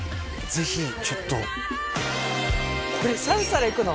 ぜひちょっとこれ３皿いくの？